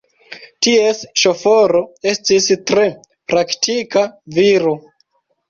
Ties ŝoforo estis tre praktika viro.